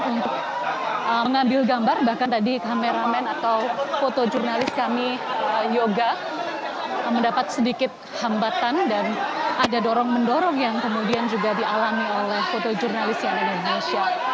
kami cukup kesulitan untuk mengambil gambar bahkan tadi kameramen atau fotojurnalis kami yoga mendapat sedikit hambatan dan ada dorong mendorong yang kemudian juga dialami oleh fotojurnalis yang ada di malaysia